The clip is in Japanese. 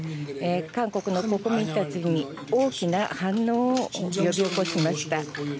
韓国の国民たちに大きな反応を呼び起こしました。